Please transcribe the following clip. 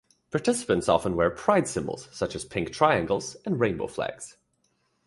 Participants often wear pride symbols such as pink triangles and rainbow flags.